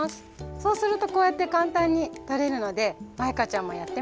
そうするとこうやって簡単にとれるのでマイカちゃんもやってみて！